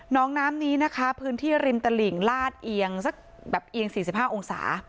น้องน้ำนี้นะคะพื้นที่ริมตลิ่งลาดเอียงสักแบบเอียง๔๕องศา